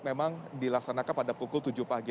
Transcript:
memang dilaksanakan pada pukul tujuh pagi